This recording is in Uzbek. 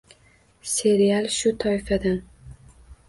Serial shu toifadan.